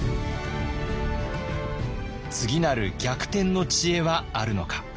次なる逆転の知恵はあるのか。